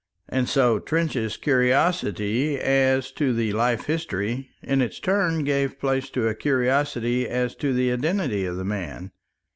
And so Trench's curiosity as to the life history in its turn gave place to a curiosity as to the identity of the man.